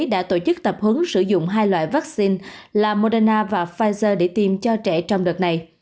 đã tổ chức tập hứng sử dụng hai loại vaccine là moderna và pfizer để tìm cho trẻ trong đợt này